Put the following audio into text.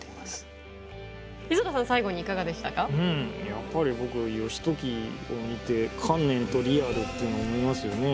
やっぱり僕は義時を見て観念とリアルっていうのを思いますよね。